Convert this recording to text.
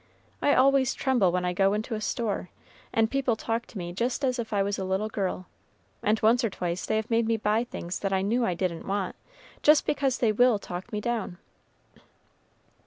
I always tremble when I go into a store, and people talk to me just as if I was a little girl, and once or twice they have made me buy things that I knew I didn't want, just because they will talk me down."